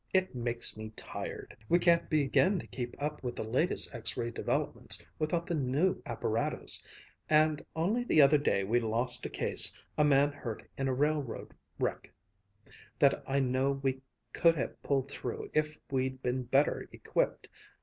It makes me tired! We can't begin to keep up with the latest X ray developments without the new apparatus, and only the other day we lost a case, a man hurt in a railroad wreck, that I know we could have pulled through if we'd been better equipped!